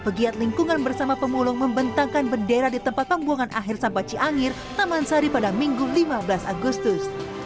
pegiat lingkungan bersama pemulung membentangkan bendera di tempat pembuangan akhir sampah ciangir taman sari pada minggu lima belas agustus